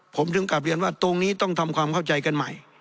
ผมถึงกลับเรียนว่าตรงนี้ต้องทำความเข้าใจกันใหม่